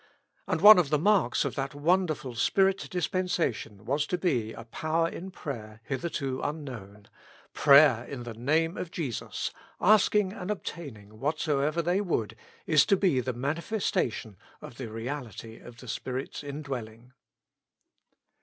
And one of the marks of that wonderful spirit dispensation was to be a power in prayer hitherto unknown— prayer in the Name of Jesus, asking and obtaining whatsoever they would, is to be the manifestation of the reality of the Spirit's indwelling.